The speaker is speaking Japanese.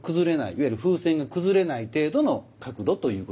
いわゆる風船が崩れない程度の角度ということになります。